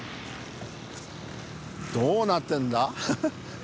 どうなってんだ？